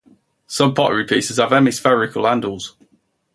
Some pottery pieces have hemispherical handles.